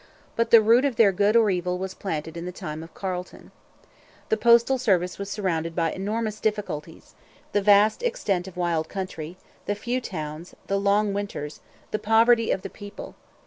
But the root of their good or evil was planted in the time of Carleton. The postal service was surrounded by enormous difficulties the vast extent of wild country, the few towns, the long winters, the poverty of the people.